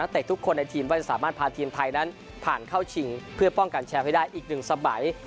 เตะทุกคนในทีมก็จะสามารถพาทีมไทยนั้นผ่านเข้าชิงเพื่อป้องกันแชมป์ให้ได้อีกหนึ่งสมัย